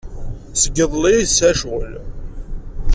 Seg yiḍelli ay tesɛa ccɣel.